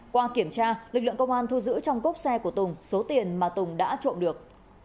qua kiểm tra lực lượng công an thu giữ trong cốp xe của tùng số tiền mà tùng đã trộm được